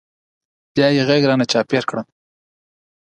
بيا يې غېږ رانه چاپېره کړه.